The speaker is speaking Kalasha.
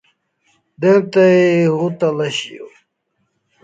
De'nta hutala shiaw